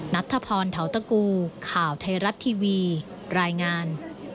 นัทธพรเทาตะกูข่าวไทยรัฐทีวีรายงาน